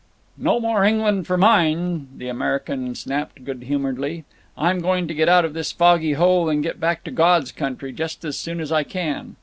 "No more England for mine," the American snapped, good humoredly. "I'm going to get out of this foggy hole and get back to God's country just as soon as I can.